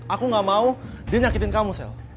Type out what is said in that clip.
aku gak mau dia nyakitin kamu sel